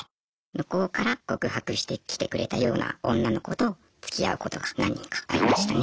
向こうから告白してきてくれたような女の子とつきあうことが何人かありましたね。